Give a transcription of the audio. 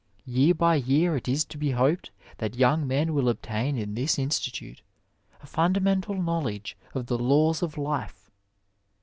Tear by year it is to be hoped that young men will obtain in this Institute a fundamental knowledge of the laws of life.